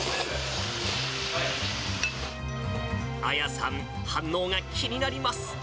亜矢さん、反応が気になります。